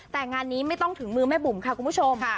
แต่งานนี้ไม่ต้องถึงมือแม่บุ๋มค่ะคุณผู้ชม